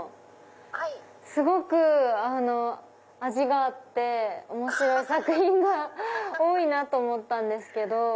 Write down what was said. すごく味があって面白い作品が多いなと思ったんですけど。